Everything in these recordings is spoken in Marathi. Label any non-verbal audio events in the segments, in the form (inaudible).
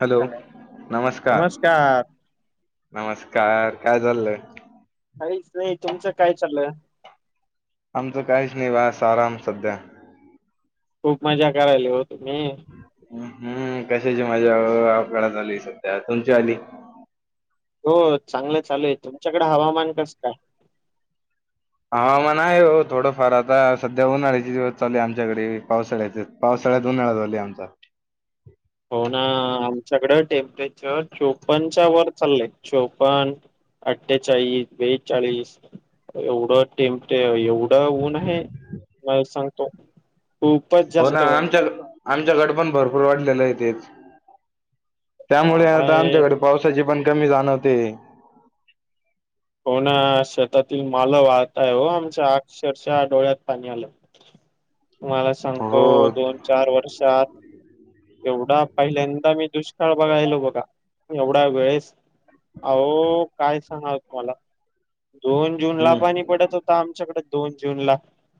हॅलो नमस्कार नमस्कार काय चालंय? काहीच नाही तुमचं काय चाललं? आमचं काहीच नाही बस आराम सध्या खूप मजा करायलोय हो तुम्ही हम्म -हम्म कशाची मजा ओ अवकळा झाली सध्या तुमच्या आली हो चांगलं चालू आहे तुमच्याकडे हवामान कसकाय? हवामान आहे हो थोडंफार आता सध्या उन्हाळ्याची दिवस चालू आहे आमच्याकडे पावसाळ्याचे पावसाळ्यात उन्हाळा चालूये आमचा हो ना आमच्याकड टेम्परेचर चोपन्नच्या वर चाललंय चोपन्न अठ्ठेचाळीस, बेचाळीस एवढं टेम्ट- एवढं एवढं ऊन आहे (unintelligible) सांगतो खूपच हो ना जास्त ऊन आहे आमच्या -आमच्याकड पण भरपूर वाढलेलं आहे तेच त्यामुळे आता काय आमच्याकडे पावसाची पण कमी जाणवते होना शेतातील मालं वाहताय हो आमच्या अक्षरशः डोळ्यात पाणी आलं तुम्हाला सांगतो हो दोन- चार वर्षात एवढा पहिल्यांदा मी दुष्काळ बघायलो बघा एवढ्या वेळेस अहो काय सांगावं तुम्हाला दोन जूनला हम्म पाणी पडत हो आता आमच्याकडे दोन जून ला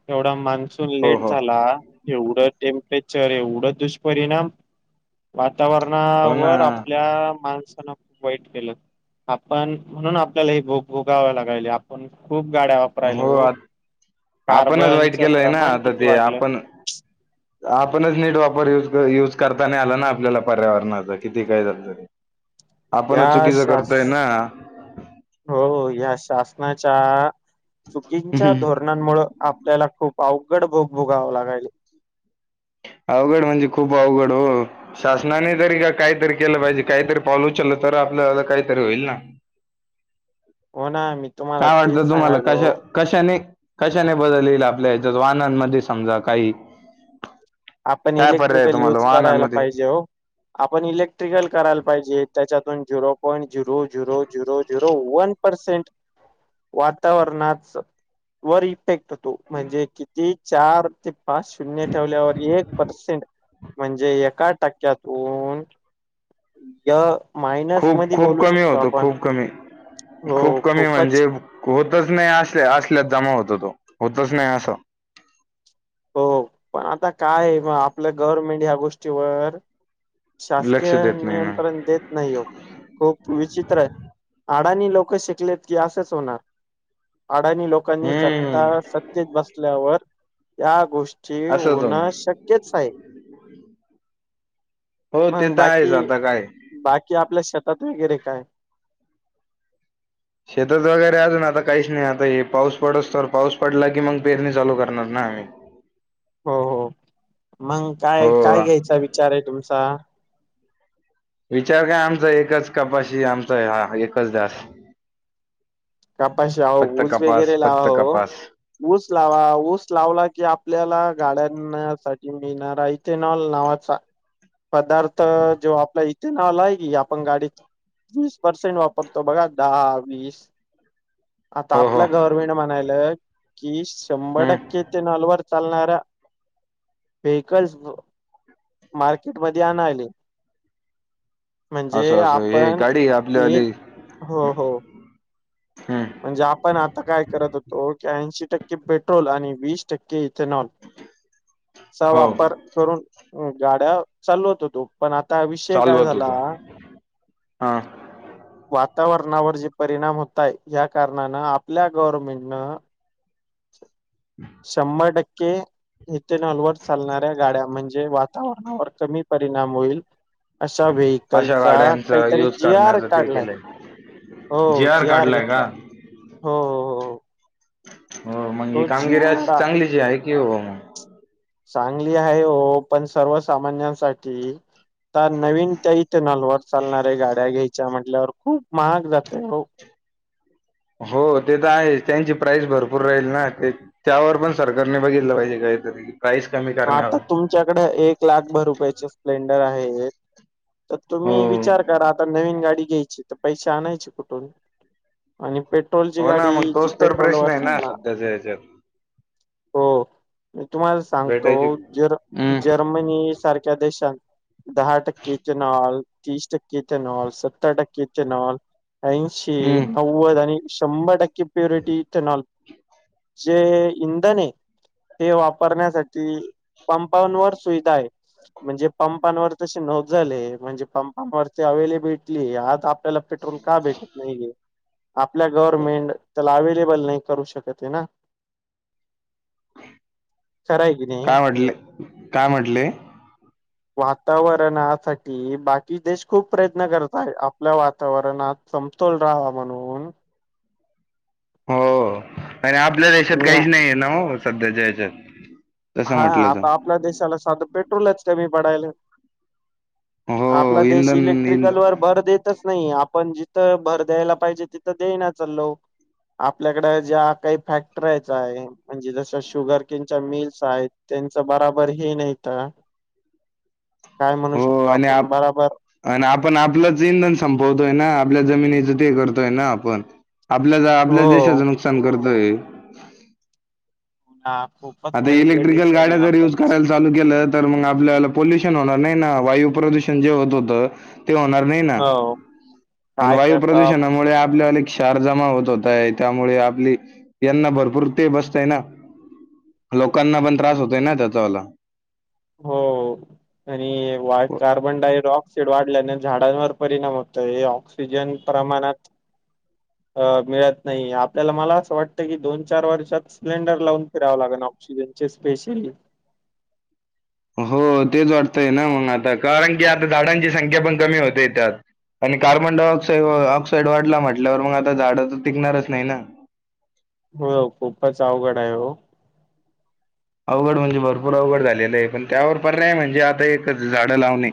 एवढा मान्सून हो लेट हो झाला एवढं टेम्परेचर एवढं दुष्परिणाम हो ना वातावरणावर आपल्या माणसान वाईट केलं आपण म्हणून आपल्याला हे भोग भोगाव लागायले खूप गाड्या वापरायल्या हो आपणच वाईट कार्बनचं केलंय ना प्रमाण आता किती ते वाढलं? आपण आपणच नीट वापर युज- युज करतानाही आला ना आपल्याला पर्यावरणाचा किती काय झाल तरी ह (inaudible) आपणच चुकीचं करतोय ना हो-हो या शासनाच्या चुकींच्या धोरणा उन्हानमुळे आपल्याला खूप अवघड भोग भोगावं लागायलय अवघड म्हणजे खूप अवघड हो शासनाने तरी का- काहीतरी केलं पाहिजे काहीतरी पाऊल उचललं तर आपल्याला काहीतरी होईल ना हो ना मी तुम्हाला काय तेच वाटतं तुम्हाला सांगायलो कशा कशाने- कशाने बदल येईल आपल्या याच्यात वाहनांमध्ये समजा काही आपण काय पर्याय आहे इलेक्ट्रिकल तुम्हाला यूज करायला वाहनांमध्ये पाहिजे हो आपण इलेक्ट्रिकल करायला पाहिजे त्याच्यातून zero point zero- zero- zero- zero one percent वातावरणाच वर इफेक्ट हो तो म्हणजे किती चार ते पाच शून्य ठेवल्यावर एक पर्सेंट म्हणजे एका टक्क्यातून (unintelligible) य सायन्स खूप मध्ये खूप बोलू कमी शकतो होतो आपण खूप कमी हो खूप कमी खूपच म्हणजे होतच नाही असल्या -असल्यात जमा होत तो होतच नाही असं हो पण आता काये आपलं गव्हर्मेंट या गोष्टीवर शासकीय लक्ष देत नाही ना नियंत्रण देत नाही हो खूप विचित्र आहेत अडाणी लोक शिकलेत की असंच होणार अडाणी लोकांनी हम्म सत्ता- सत्तेत बसल्यावर या गोष्टी असंच होणं होणार शक्यच आहे हो ते मग तर आहेच बाकी- आता काय बाकी आपल्या शेतात वगैरे काय? शेतात वगैरे अजून आता काहीच नाही आता हे पाऊस पडूस्तोर पाऊस पडला की मग पेरणी चालू करणार ना आम्ही हो -हो मग हो काय -काय घ्यायचा विचार आहे तुमचा विचार काय आमचा, एकच कपाशी आमचा हा एकच ध्यास. कपाशी, आओ फक्त ऊस कपास वगैरे लावा फक्त वो. कपास ऊस लावा, ऊस लावला की आपल्याला गाड्यां साठी मिळणार आहे, ईथीनॉल नावाचा पदार्थ, जो आपला ते नाव आहे की आपण गाडी वीस पर्सेंट वापरतो बघा, दहा, वीस, आता हो हो आपलं गव्हर्नमेंट म्हणायल, कि, शंभर हम्म टक्के ते इथेनॉलवर चालणाऱ्या व्हिकल्स मार्केटमध्ये आणाले. म्हणजे असं असं हे आपण गाडी एक आपल्यावाली हो हो. हम्म. म्हणजे आपण आता काय करत होतो की, ऐंशी टक्के पेट्रोल आणि वीस टक्के इथेनॉल, चा हो वापर करून, गाड्या चालवत होतो. पण आता विषय काय चालवत झाला. होतो हा वातावरणावर जे परिणाम होतय, या कारणान आपल्या गव्हर्मेंटनं शंभर टक्के इथेनॉल वर चालणाऱ्या गाड्या म्हणजे ए वातावरणावर कमी परिणाम होईल, अशा अशा व्हेहीकलचा, गाड्यांचा काहीतरी, यूज जी आर करण्याचं ते काढलाय, केलंय हो जी आर घेतला, हो हो हो हो. हो मग ही तो जी कामगिरी आर अशी चागलीची आहे की हो मग. चांगली आहे हो, पण सर्वसामान्यांसाठी, त्या नवीन त्या इथनलवर चालणाऱ्या गाड्या घ्यायच्या म्हटल्यावर, खूप महाग जातय हो. हो ते त आहे, त्यांची प्राईस भरपूर राहील ना, ते त्यावर पण सरकारने बघितलं पाहिजे, काहीतरी. प्राईस कमी आता करण्यावर तुमच्याकडे एक लाख भर रुपयाचे स्प्लेंडर आहे. तर हो तुम्ही विचार करा, आता नवीन गाडी घ्यायची त, पैसे आणायचे कुठून. आणि पेट्रोलची हो ना गाडी, मग जी तोच तर प्रश्न पेट्रोलवर आहे चाल ना नार, सध्याच्या ह्याच्यात हो, मी तुम्हाला सांगतो, भेटायची जर जर हम्म जर्मनी सारख्या देशात, दहा टक्के ईथेनॉल, तीस टक्के ईथेनॉल, सत्तर टक्के ईथेनॉल, ऐन शी, हम्म नव्वद आणि शंभर टक्के प्युरिटी इथेनॉल जे इंधन आहे ते वापरण्यासाठी त पंपांवर सुविधाय, म्हणजे पंपांवर तशी नोंद झालेय, म्हणजे पंपांवरती अवेलेबिटलीय आज आप पेट्रोल का भेटत नाहीय, आपल्या गव्हर्नमेंट त्याला अवेलेबल नाही करू शक ते ना. खरय. काय म्हटले, काय म्हटले. वातावरणासाठी, बाकी देश खूप प्रयत्न करतय, आपल्या वातावरणात, समतोल राहावा म्हणून, हो आणि आपल्या देशात आणि काहीच नाहीये ना ओ, सध्या च्या यच्यात. हा, आता आपल्या देशाला साधं पेट्रोलच कमी पडायल. आपला हो देश इंधन इंधन इलेक्ट्रिकल वर भर देतच नाहीये, आप पण जिथं भर द्यायला पाहिजे, तिथं देई ना चालो. आपल्याकडे ज्या काही फॅक्टरयच आहे. म्हणजे जस शुगर किनच्या मिल्स आहेत, त्यांच बराबर हे नाहीत, काय म्हणू हो शकतो आणि आपण, आप बराबर आणि आपण आपलंच इंधन संपवतोय ना, आपल्या जमिनीचं ते करतोय ना आपण. आपल्या हो आपल्याच देशाचं नुकसान करतोय. हा. आता इलेक्ट्रिकल गाड्या जर युज करायला, चालू तर मग आपल्याला पोल्युशन होणार नाही ना वायू प्रदूषण जे होत होतं. ते होणार नाही ना हो आणि काय वायू करता प्रदूषणामुळे आपल्याला चार जमा होत होताय त्यामुळे आपली, यांना भरपूर ते बसतय ना. लोकांना पण त्रास होतय ना त्याचावाला हो आणि वा कार्बन डाइडऑक्साइड वाढल्याने झाडांवर परिणाम होतोय. सिजन प्रमाणात हं मिळत नाही आपल्याला मला असं वाटत की दोन चार वर्षात सिलेंडर लावून फिरावं लागणार. ऑक्सिजन चे स्पेशली हो तेच वाटतंय ना मग आता कारण की आता झाडांची संख्या पण कमी होते त्यात आणि कार्बन डाय ऑक्साइड ऑक्साइड वाढला म्हटल्यावर मग आता झाडं तर टिकणारच नाही ना. हो खूपच अवघड आहे हो अवघड म्हणजे भरपूर अवघड झालेलं आहे पण त्यावर पर्याय म्हणजे आता एकच झाडं लावणे.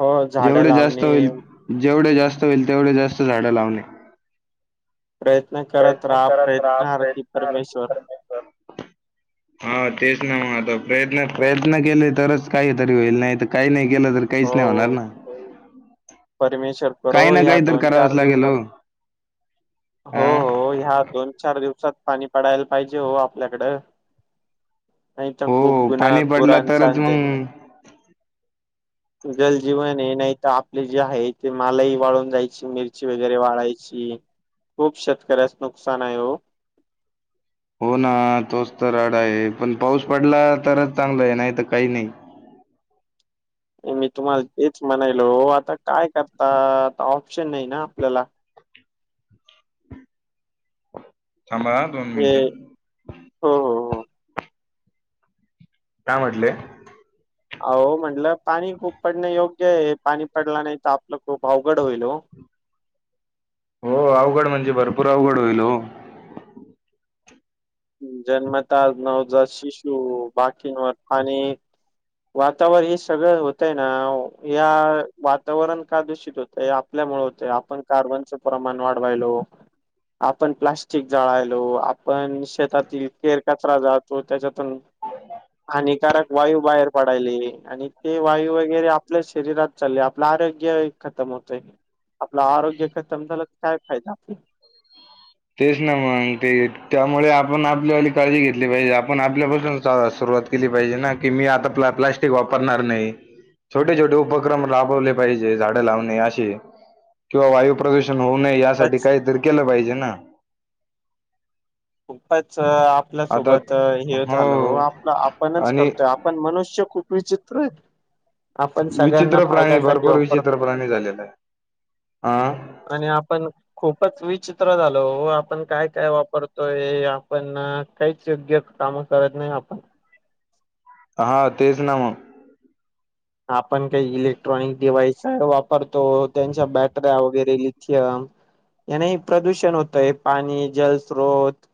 हो झाडं जेवढे जास्त लावणे होईल जेवढे जास्त होईल तेवढे जास्त झाडं लावणे. प्रयत्न करत प्रयत्न राहा करत राहा प्रयत्नारती प्रयत्न रती परमेश्वर परमेश्वर हा तेच ना म आता प्रयत्न प्रयत्न केले तरच काहीतरी होईल नाहीत काही नाही केलं तर काहीच हो नाही होणार ना. परमेश्वर काही हो ना ह्या काही तर दोन चार करावंच लागेल दिवसात हो हो हा? हो ह्या दोन चार दिवसात पाणी पडायला पाहिजे हो आपल्याकडं हो पाणी पडला तरच मग (unintelligible) जल जीवन हे नाही तर आप आपले जे आहे ते मालाही वाळून जायची मिरची वगैरे वाळायची. खूप शेतकऱ्याचं नुकसान आहे हो. हो ना तोच तर राडा आहे पण पाऊस पडला तरच चांगला आहे नाही तर काही नाही मी तुम्हाला तेच म्हणायलो आता काय करता आता ऑप्शन नाही ना आपल्याला थांबा हां येय हो हो हो काय म्हटले? अहो म्हटलं पाणी खूप पडणं योग्य आहे पाणी पडला नाही तर आपलं खूप अवघड होईल हो. हो अवघड म्हणजे भरपूर अवघड होईल हो. जन्मता नवजात शिशू बाकीवर आणि वातावरण हे सगळं होत आहे ना या वातावरण का दूषित होतं. ते आपल्यामुळे होते आपण कार्बनचे प्रमाण वाढवायलो. आपण प्लास्टिक जळायलो. आपण शेतातील केर कचरा जातो त्याच्यातून हानिकारक वायू बाहेर पडायले आणि ते वायू वगैरे आपल्या शरीरात चालले आपलं आरोग्य खतम होतयं. आपलं आरोग्य खतम झालं काय फायदा आप तेच ना मगं ते त्यामुळे आपण आपल्यावाली काळजी घेतली पाहिजे आपण आपल्यापासून सुरुवात केली पाहिजे ना की मी आता प्ला प्लास्टिक वापरणार नाही. छोटे छोटे उपक्रम राबवले पाहिजे झाडं लावणे असे किंवा वायू प्रदूषण होऊ हो नये यासाठी खूपच काहीतरी केलं पाहिजे ना. खूपच आता आपल्यासोबत हे झालं ओ हो आपलं आपणच आणि करतोय. पण मनुष्य खूप विचित्र आहेत. आपण सगळ्यांना विचित्र प्राणी फायद्यासाठी भरपूर विचित्र वापरतो. प्राणी झालेला आहे. हा आणि आपण खूपच विचित्र झालो ओ आपण काय काय वापरतो. तो आपण काहीच योग्य काम करत नाही आपण हा तेच ना म आपण काही इलेक्ट्रॉनिक डिवाइस वापरतो त्यांच्या बॅटऱ्या वगैरे म याने प्रदूषण होतय पाणी जलस्रोत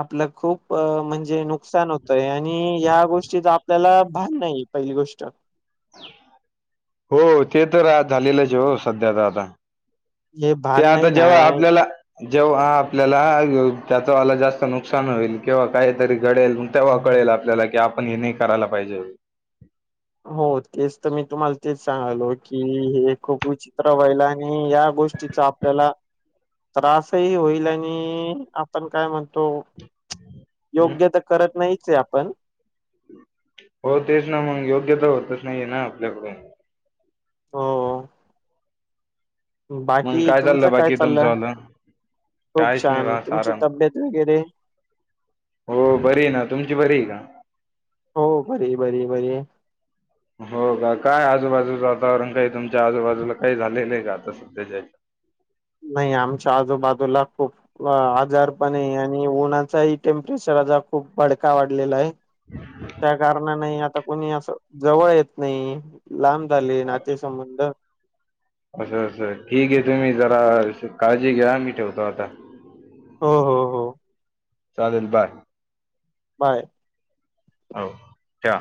आपलं खूप म्हणजे नुकसान होतंय. हम्म या गोष्टीच आपल्याला भान नाहीये. पहिली गोष्ट हो ते तर आज झालेलंच, हो सध्या तर आता दादा हे ते भान आता नाही ना जेव्हा आपल्याला, जेव्हा आपल्याला त्याचा वाला जास्त नुकसान होईल. किंवा काहीतरी घडेल मग, तेव्हा कळेल आपल्याला कि, आपण हे नाही करायला पाहिजे होतं. हो, तेच तर मी तुम्हाला तेच सांगलो. की हे खूप विचित्र व्हालाय. हम्म या गोष्टीचा आपल्याला, त्रास ही होईल. आणि आपण काय म्हणतो योग्य तर, करत नाहीचे आपण. हो तेच ना, मग योग्य तर होतच नाहीये. ना आपल्याकडून (unintelligible) मग बाकी तुमचं चाललं काय बाकी चालं. तुमचंवालं खूप काहीच नाही छान बस तुमची आराम तब्येत वगैरे, हो बरी ना, तुमची बरी का हो, बरी बरी बरी. हो, का काय आजूबाजूचं वातावरण काही तुमच्या आजूबाजूला काही झालेलं आहे का, आता सध्याच्या हे जात. नाही आमच्या आजूबाजूला खूप, वा आजार पण आहे. आणि उन्हाचा ही टेम्परेचर खूप भडका वाढलेला आहे. त्या कारणा नाही. आता कोणी अस जवळ येत नाही लांब, झाली नात्ये संबंध. अस अस ठीक ये, तुम्ही जरा काळजी घ्या. मी ठेवतो आता हो हो हो, चालेल बाय. बाय. हो त्या,